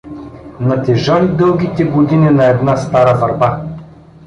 Натежали дългите години на една стара върба.